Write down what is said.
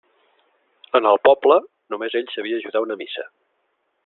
En el poble, només ell sabia ajudar una missa.